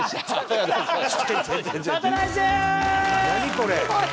これ。